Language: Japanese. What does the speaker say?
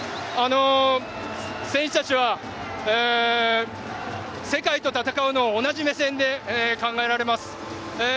選手たちは世界と戦うのを同じ目線で考えられます。